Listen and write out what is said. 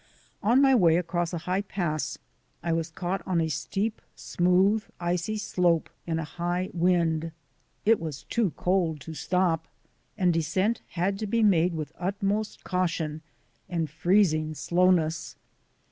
On my way across a high pass I was caught on a steep, smooth, icy slope in a high wind. It was too cold to stop, and descent had to be made with utmost caution and freezing slowness.